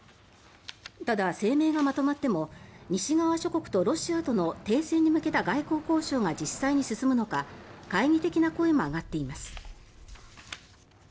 ただ、声明がまとまっても西側諸国とロシアとの停戦に向けた外交交渉が実際に進むのか懐疑的な声も上がっています。